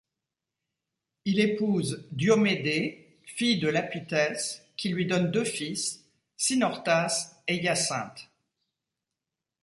Il épouse Diomédé, fille de Lapithès, qui lui donne deux fils, Cynortas et Hyacinthe.